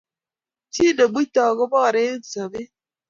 Chii nemuitoi kobore eng sobet